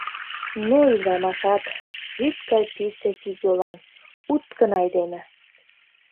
Ну ӱдырамашат, вӱд гай писе кид-йолан, уткын айдеме.